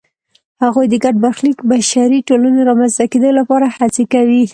هغوی د ګډ برخلیک بشري ټولنې رامنځته کېدو لپاره هڅې کوي.